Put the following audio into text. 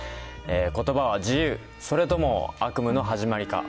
ことばは自由、それとも悪夢の始まりか。